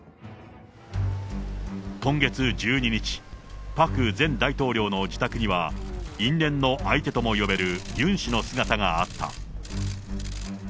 今月１２日、パク前大統領の自宅には、因縁の相手とも呼べるユン氏の姿があった。